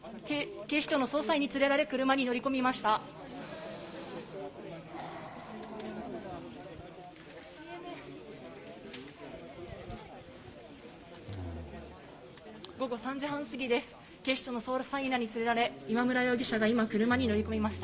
警視庁の捜査員らに連れられ、今村容疑者が今、車に乗り込みました。